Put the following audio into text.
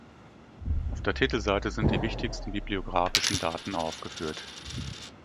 Auf der Titelseite sind die wichtigsten bibliographischen Daten aufgeführt.